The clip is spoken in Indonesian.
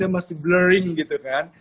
masih blurring gitu kan